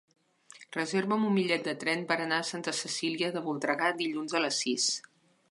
Reserva'm un bitllet de tren per anar a Santa Cecília de Voltregà dilluns a les sis.